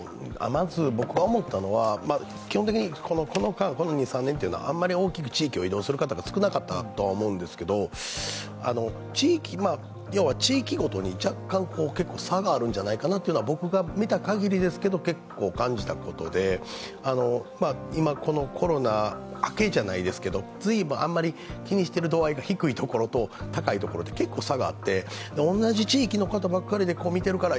まず、僕が思ったのは基本的にこの２３年というのはあんまり大きく地域を移動された方が少なかったと思うんですけど要は地域ごとに若干差があるんじゃないかというのが僕が見たかぎりですけれども、感じたことでコロナ明けじゃないですけど、気にしている度合いが低いところと高いところで結構差があって同じ地域の方ばかりで見ているから